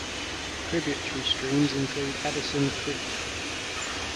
Tributary streams include Addison Creek.